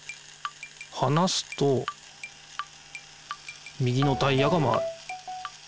はなすと右のタイヤが回る。